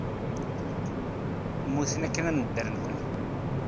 Mmuten akken ad nedder nekkni.